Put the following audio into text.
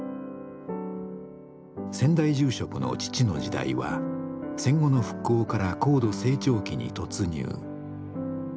先代住職の父の時代は戦後の復興から高度成長期に突入。